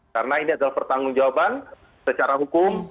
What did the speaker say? karena ini adalah pertanggung jawaban secara hukum